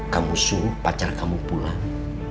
kamu suruh pacar kamu pulang